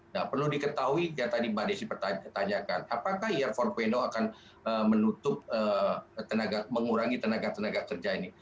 nah perlu diketahui yang tadi mbak desi pertanyakan apakah year empat akan menutup mengurangi tenaga tenaga kerja ini